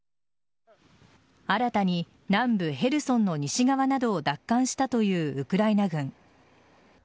新たに、南部・ヘルソンの西側などを奪還したというウクライナ軍。